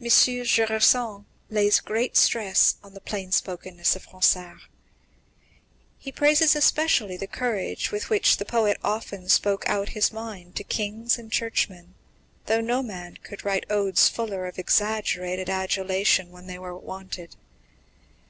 M. Jusserand lays great stress on the plain spokenness of Ronsard. He praises especially the courage with which the poet often spoke out his mind to kings and churchmen, though no man could write odes fuller of exaggerated adulation when they were wanted.